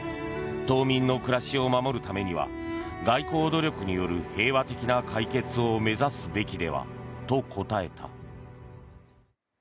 島民の暮らしを守るためには外交努力による平和的な解決を目指すべきではと答えた。